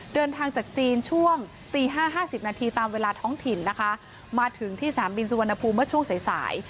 เดินทางจากจีนช่วงตีห้าห้าสิบนาทีตามเวลาท้องถิ่นนะคะมาถึงที่สนามบินสุวรรณภูมิเมื่อช่วงสายสาย